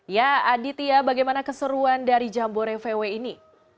ya aditya bagaimana keseruan dari jambore vw ini